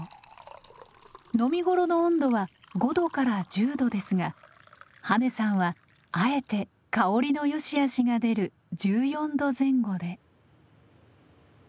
飲み頃の温度は５度から１０度ですが羽根さんはあえて香りのよしあしが出る１４度前後で。